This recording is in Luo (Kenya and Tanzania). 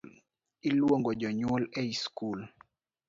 Iluongo jonyuol ie skul .